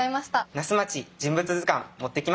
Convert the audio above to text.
「那須まち人物図鑑」持ってきました。